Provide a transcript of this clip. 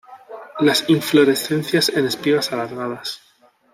Las inflorescencias en espigas alargadas.